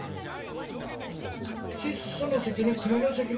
チッソの責任国の責任